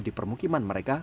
di permukiman mereka